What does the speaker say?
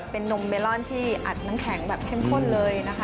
เป็นนมเบลอนที่อัดน้ำแข็งแบบเข้มข้นเลยนะคะ